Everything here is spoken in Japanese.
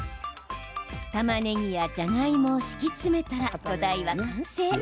たまねぎやじゃがいもを敷き詰めたら土台は完成。